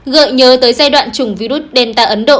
gợi nhớ tới giai đoạn chủng virus delta ấn độ